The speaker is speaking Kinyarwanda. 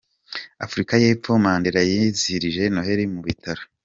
Afurika y’epfo Mandela yizihirije Noheli mu bitaro